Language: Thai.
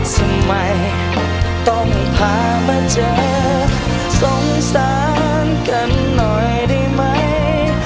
ทำไมต้องพามาเจอสงสารกันหน่อยได้ไหม